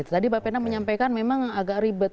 tadi mbak fena menyampaikan memang agak ribet